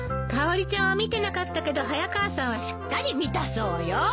かおりちゃんは見てなかったけど早川さんはしっかり見たそうよ。